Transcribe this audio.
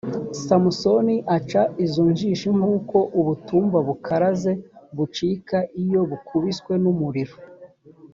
samusoni aca izo njishi nk uko ubutumba bukaraze bucika iyo bukubiswe n umuriro